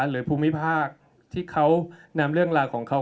หรือภูมิภาคที่เขานำเรื่องราวของเขา